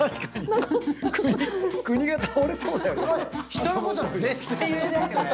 人のこと全然言えないよね。